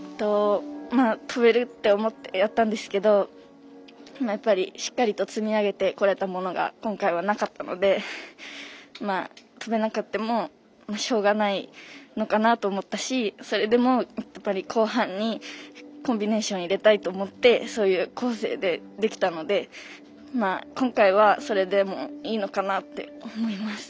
跳べるって思ってやったんですけどやっぱりしっかりと積み上げてこれたものが今回はなかったので跳べなくてもしょうがないのかなと思ったしそれでも後半にコンビネーションを入れたいと思ってそういう構成でできたので今回は、それでもいいのかなって思います。